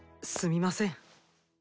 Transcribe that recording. すみません。